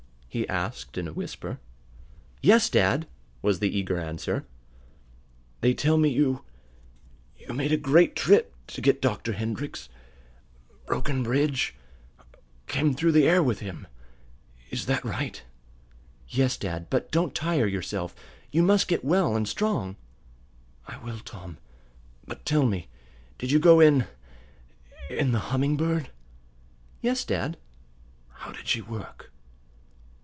he asked in a whisper. "Yes, dad," was the eager answer. "They tell me you you made a great trip to get Dr. Hendrix broken bridge came through the air with him. Is that right?" "Yes, dad. But don't tire yourself. You must get well and strong." "I will, Tom. But tell me; did you go in in the Humming Bird?" "Yes, dad." "How did she work?"